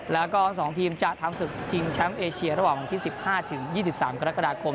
แล้วก็สองทีมจะทำสุขทีมแชมป์เอเชียระหว่าง๑๕๒๓กรกฎาคม